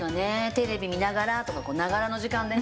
テレビ見ながらとかながらの時間でね。